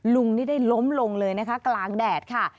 ลุงนี่ได้ล้มลงเลยนะคะกลางแดดค่ะ